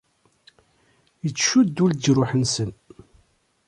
Ittcuddu leǧruḥ-nsen.